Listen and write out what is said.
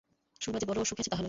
সুরমা যে বড় সুখে আছে তাহা নয়।